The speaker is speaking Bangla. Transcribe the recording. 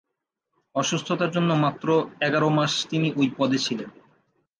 অসুস্থতার জন্য মাত্র এগারো মাস তিনি ওই পদে ছিলেন।